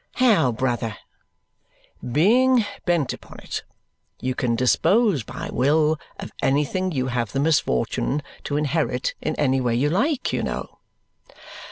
"How, brother?" "Being bent upon it, you can dispose by will of anything you have the misfortune to inherit in any way you like, you know."